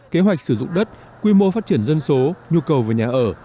kế hoạch sử dụng đất quy mô phát triển dân số nhu cầu về nhà ở